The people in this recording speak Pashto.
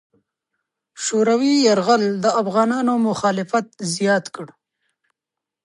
شوروي یرغل د افغانانو مخالفت زیات کړ.